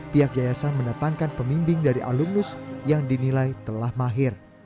pihak yayasan mendatangkan pemimbing dari alumnus yang dinilai telah mahir